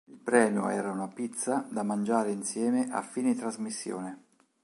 Il premio era una pizza da mangiare insieme a fine trasmissione.